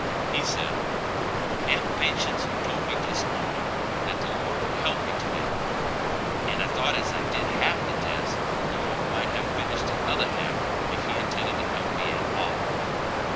He said, "Aunt Patience told me dis morning that the Lord would help me today, and I thought as I did half of the task, the Lord might have finished the other half if he intended to help me at all."